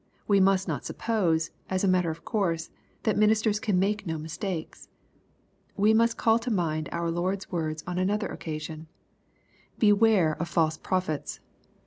We must not suppose, as a matter of course, that ministers can make no mistakes. We must call to mind our Lord's words on another occasion, " Beware of false prophets."